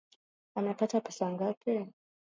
Amepata pesa ngapi?